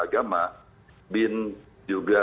agama bin juga